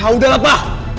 ah udah lah pa